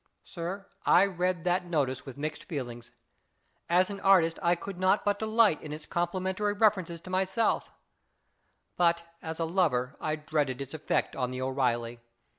Sir, I read that notice with mixed feelings. As an artist I could not but delight in its complimentary references to myself, but as a lover I dreaded its effect on the O'Eeilly.